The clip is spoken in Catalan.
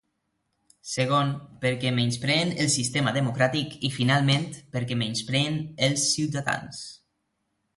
Segon, perquè menyspreen el sistema democràtic i finalment, perquè menyspreen els ciutadans.